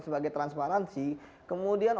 sebagai transparansi kemudian